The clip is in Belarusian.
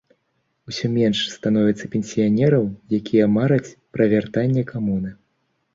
Усё менш становіцца пенсіянераў, якія мараць пра вяртанне камуны.